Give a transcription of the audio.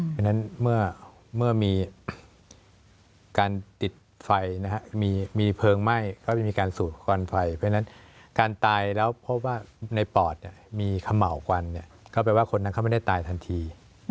เพราะฉะนั้นเมื่อมีการติดไฟมีเพลิงไหม้ก็จะมีการสูดควันไฟเพราะฉะนั้นการตายแล้วพบว่าในปอดมีเขม่าวควันก็แปลว่าคนนั้นเขาไม่ได้ตายทันที